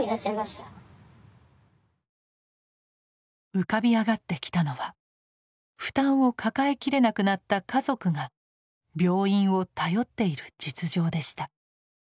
浮かび上がってきたのは負担を抱えきれなくなった家族が病院を頼っている実情でした。